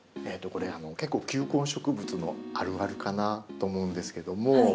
これ結構球根植物のあるあるかなと思うんですけども。